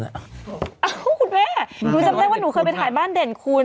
อ้าวคุณแม่รู้จักไม่ได้ว่าหนูเคยไปถ่ายบ้านเด่นคุณ